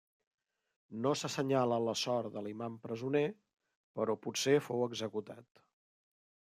No s'assenyala la sort de l'imam presoner, però potser fou executat.